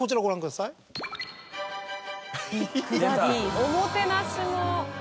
「お・も・て・な・し」も。